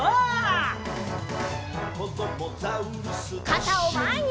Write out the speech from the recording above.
かたをまえに！